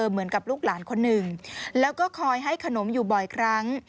เหมือนกับลูกหลานคนหนึ่งแล้วก็คอยให้ขนมอยู่บ่อยครั้ง